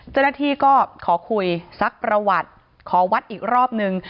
เจ้าหน้าที่ก็ขอคุยซักประวัติขอวัดอีกรอบนึง